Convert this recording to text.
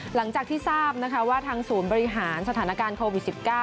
หลังจากที่ทราบนะคะว่าทางศูนย์บริหารสถานการณ์โควิด๑๙